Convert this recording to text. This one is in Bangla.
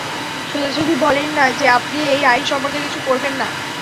সোজাসুজি বলেন না যে আপনি এই আইন সম্পর্কে কিছু করবেন না?